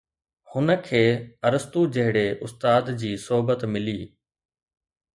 هن کي ارسطو جهڙي استاد جي صحبت ملي